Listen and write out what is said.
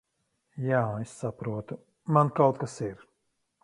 Jā, es saprotu. Man kaut kas ir...